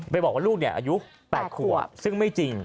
บอกว่าลูกอายุ๘ขวบซึ่งไม่จริง